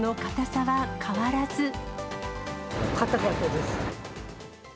硬かったです。